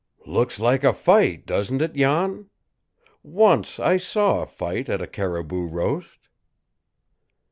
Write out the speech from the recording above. "Looks like a fight, doesn't it, Jan? Once I saw a fight at a caribou roast."